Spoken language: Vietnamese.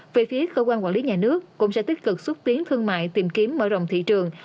về phía cơ quan quản lý nhà nước cũng sẽ tích cực xúc tiến thương mại tìm kiếm mở rộng thị trường